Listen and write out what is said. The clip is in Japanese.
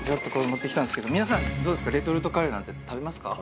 持ってきたんですけど皆さんどうですかレトルトカレーなんて食べますか？